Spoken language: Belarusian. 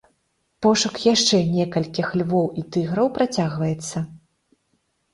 Пошук яшчэ некалькіх львоў і тыграў працягваецца.